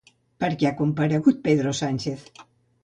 Per què ha comparegut Pedro Sánchez?